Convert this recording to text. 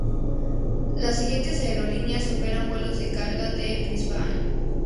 Las siguientes aerolíneas operan vuelos de carga de Brisbane.